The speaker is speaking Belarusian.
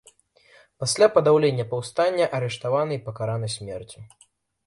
Пасля падаўлення паўстання арыштаваны і пакараны смерцю.